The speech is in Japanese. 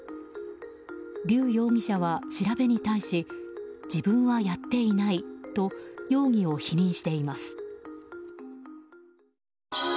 リュウ容疑者は調べに対し自分はやっていないと容疑を否認しています。